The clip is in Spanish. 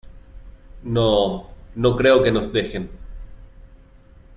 no... no creo que nos dejen .